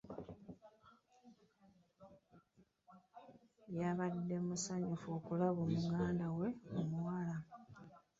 Yabadde musanyufu okulaba muganda we omuwala.